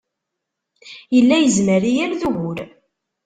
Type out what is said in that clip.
Yella yezmer i yal d ugur.